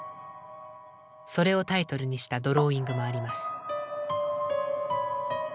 それをタイトルにしたドローイングもあります。